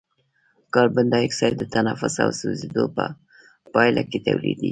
کاربن ډای اکساید د تنفس او سوځیدو په پایله کې تولیدیږي.